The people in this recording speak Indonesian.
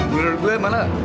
menurut gue emang